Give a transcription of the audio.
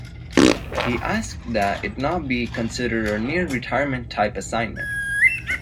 He asked that it not be considered a near-retirement type assignment.